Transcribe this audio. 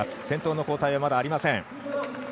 先頭の交代はまだありません。